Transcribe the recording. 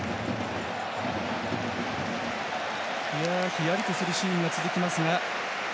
ひやりとするシーンが続きます。